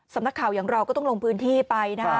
สำนักข่าวอย่างเราก็ต้องลงพื้นที่ไปนะฮะ